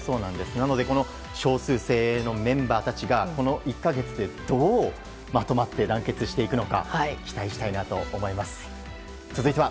なので少数精鋭のメンバーたちがこの１か月でどうまとまって団結していくのか期待したいなと思います。